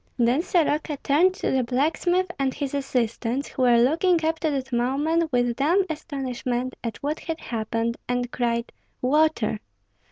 Then Soroka turned to the blacksmith and his assistants, who were looking up to that moment with dumb astonishment at what had happened, and cried, "Water!"